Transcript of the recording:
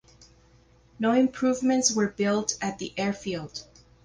No improvements were built at the airfield.